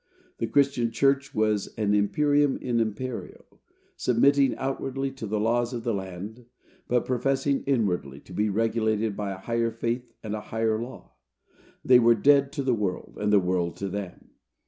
The Christian church was an imperium in imperio; submitting outwardly to the laws of the land, but professing inwardly to be regulated by a higher faith and a higher law. They were dead to the world, and the world to them.